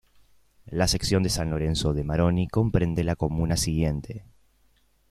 La sección de San Lorenzo de Maroni comprende la comuna siguiente